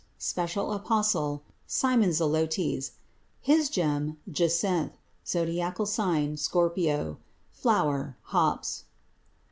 Special apostle Simon. (Zelotes.) His gem Jacinth. Zodiacal sign Scorpio. Flower Hops.